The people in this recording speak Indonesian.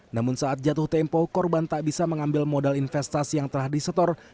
namun saat jatuh tempo korban tak bisa mengambil modal investasi yang telah disetor